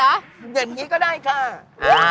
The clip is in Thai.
อย่างนี้ก็ได้ค่ะ